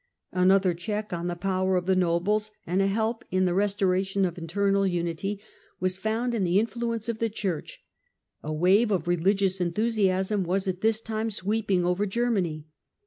Another check on the power of the nobles, and a help in the restoration of internal unity, was found in the influence of the Church. A wave of religious enthusiasm was at this time sweeping over Germany.